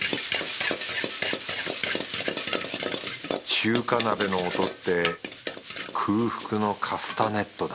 中華鍋の音って空腹のカスタネットだ